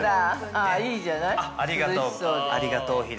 あー、いいじゃない？